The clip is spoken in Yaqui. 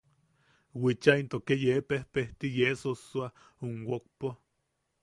Wicha into ke yee pejpejti yee sossoa um wokpo.